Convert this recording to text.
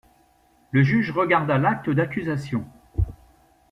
Le juge regarda l’acte d’accusation.